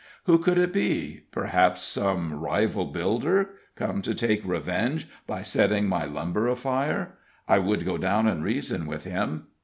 Who could it be? Perhaps some rival builder, come to take revenge by setting my lumber afire! I would go down and reason with him.